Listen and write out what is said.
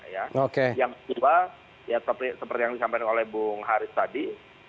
yang kedua ya seperti yang disampaikan oleh bung haris tadi